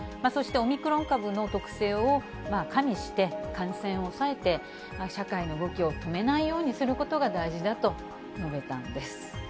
そしてオミクロン株の特性を加味して、感染を抑えて、社会の動きを止めないようにすることが大事だと述べたんです。